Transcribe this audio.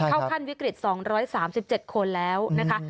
เข้าขั้นวิกฤต๒๓๗คนแล้วนะคะ